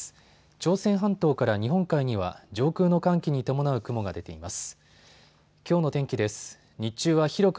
朝鮮半島から日本海には上空の寒気に伴う雲が出ています。